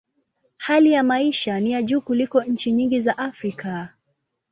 Hali ya maisha ni ya juu kuliko nchi nyingi za Afrika.